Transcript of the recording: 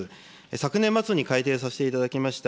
昨年末に改定させていただきました